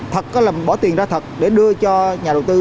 thật có là bỏ tiền ra thật để đưa cho nhà đầu tư